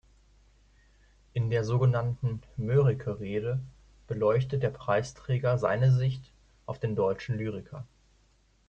In der sogenannten „Mörike-Rede“ beleuchtet der Preisträger seine Sicht auf den deutschen Lyriker.